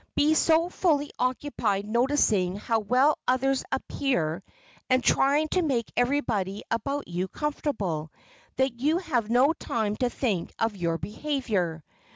Be so fully occupied noticing how well others appear and trying to make everybody about you comfortable, that you have no time to think of your behavior.